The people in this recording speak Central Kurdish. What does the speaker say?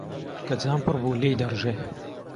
کە جام پڕ بوو، لێی دەڕژێ.